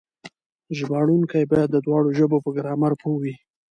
ژباړونکي بايد د دواړو ژبو په ګرامر پوه وي.